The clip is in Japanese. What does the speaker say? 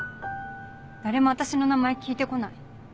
誰も私の名前聞いてこない。